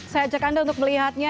saya ajak anda untuk melihatnya